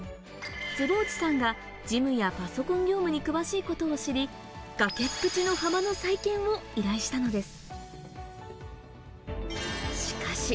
坪内さんが事務やパソコン業務に詳しいことを知り、崖っぷち浜の再建を依頼したのです。